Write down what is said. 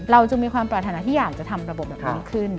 จึงมีความปรารถนาที่อยากจะทำระบบแบบนี้ขึ้น